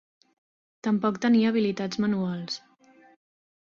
Tampoc tenia habilitats manuals.